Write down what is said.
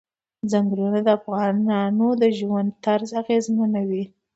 ځنګلونه د افغانانو د ژوند طرز اغېزمنوي.